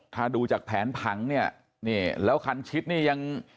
ถ้าดูจากแผนผังเนี่ยนี่แล้วคันชิดนี่ยัง